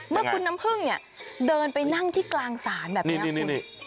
เมื่อคุณน้ำพึ่งเนี่ยเดินไปนั่งที่กลางศาลแบบนี้